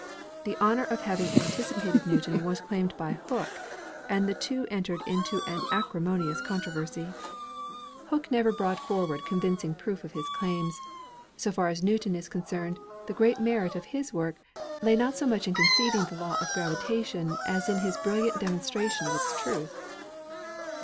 The honor of having anticipated Newton was claimed by Hooke, and fche two entered into an acrimonious controversy. Hooke 52 ASTRONOMY never brought forward convincing proof of his claims. So far as Newton is concerned, the great merit of his work lay not so much in conceiving the law of gravitation as in his brilliant demonstration of its truth.